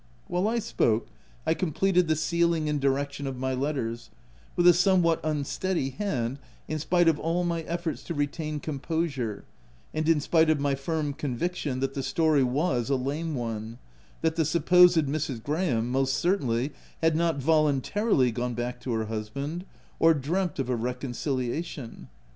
While I spoke, I completed the sealing and direction of my letters, with a somewhat un steady hand, in spite of all my efforts to retain composure, and in spite of my firm conviction that the story was a lame one — that the sup posed Mrs. Graham, most certainly, had not voluntarily gone back to her husband, or dreamt of a reconciliation.